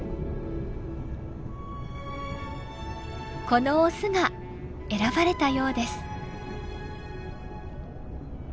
このオスが選ばれたようです。